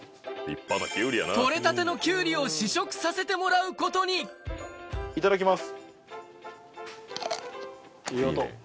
採れたてのきゅうりを試食させてもらうことにいただきます。